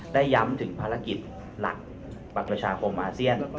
ได้ย้ำถึงภารกิจหลักบัตรประชาคมอาเซียน